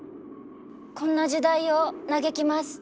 こんな時代を嘆きます。